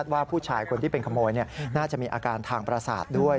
ว่าผู้ชายคนที่เป็นขโมยน่าจะมีอาการทางประสาทด้วย